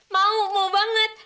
mau mau banget